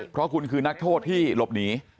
เพราะคุณคือนักโทษที่หลบหนี